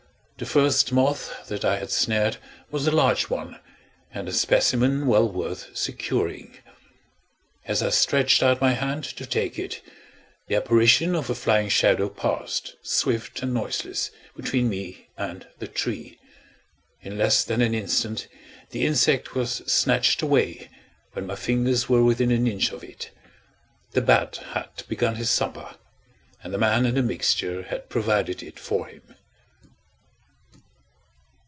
The first moth that I had snared was a large one, and a specimen well worth securing. As I stretched out my hand to take it, the apparition of a flying shadow passed, swift and noiseless, between me and the tree. In less than an instant the insect was snatched away, when my fingers were within an inch of it. The bat had begun his supper, and the man and the mixture had provided it for him.